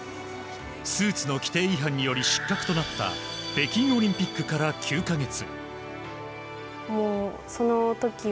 スーツの規定違反により失格となった北京オリンピックから９か月。